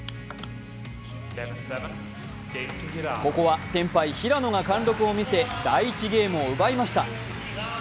ここは先輩・平野が貫禄を見せ、第１ゲームを奪いました。